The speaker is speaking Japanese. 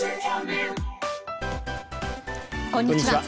こんにちは。